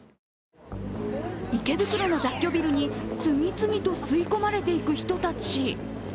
池袋の雑居ビルに次々と吸い込まれていく人たち。